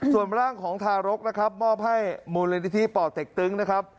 ส่วนร่างของทารกนะครับมอบให้มูลนิธิป่อเต็กตึงนะครับ